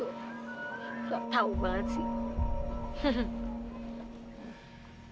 gak tau banget sih